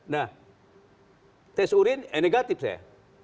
nah tes urin negatif saya